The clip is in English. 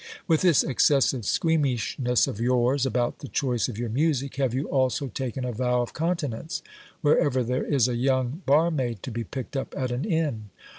With this excessive squeamishness of yours about the choice of yoi r music, have you also taken a vow of continence, wherever there is a yovng bar maid to be picked up at an inn?